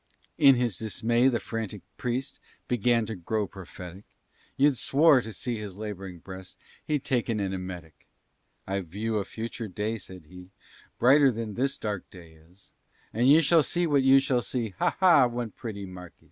In his dismay, the frantic priest Began to grow prophetic; You'd swore, to see his laboring breast, He'd taken an emetic. "I view a future day," said he, "Brighter than this dark day is; And you shall see what you shall see, Ha! ha! one pretty Marquis!